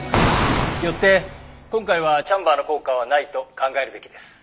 よって今回はチャンバーの効果はないと考えるべきです。